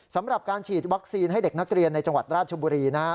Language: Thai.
สำหรับการฉีดวัคซีนให้เด็กนักเรียนในจังหวัดราชบุรีนะฮะ